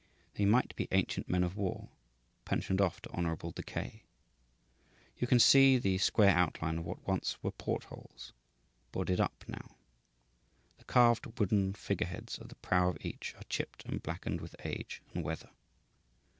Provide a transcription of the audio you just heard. They might be ancient men of war, pensioned off to honourable decay. You can see the square outline of what once were portholes, boarded up now. The carved, wooden figure heads at the prow of each are chipped and blackened with age and weather.